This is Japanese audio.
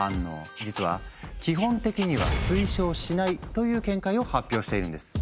実は基本的には推奨しないという見解を発表しているんです。